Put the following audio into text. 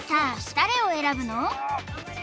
誰を選ぶの？